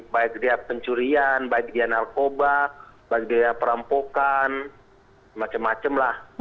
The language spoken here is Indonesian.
baik dari pencurian baik dari narkoba baik dari perampokan macam macam lah